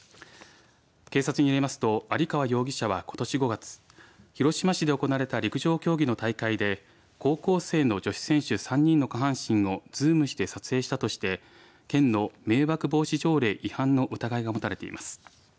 警察によりますと有川容疑者は、ことし５月広島市で行われた陸上競技の大会で高校生の女子選手３人の下半身をズームして撮影したとして県の迷惑条例防止違反の疑いが持たれています。